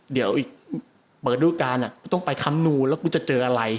เดี๋ยวอีกเปิดดูการกูต้องไปคำนูแล้วกูจะเจออะไร